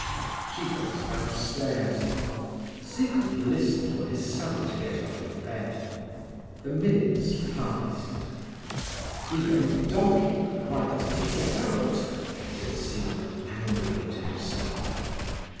She went downstairs. Siegmund listened for his son to get out of bed. The minutes passed. "The young donkey, why doesn't he get out?" said Siegmund angrily to himself.